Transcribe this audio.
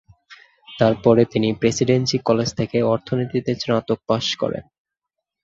তারপরে তিনি Presidency College থেকে অর্থনীতিতে স্নাতক পাশ করেন।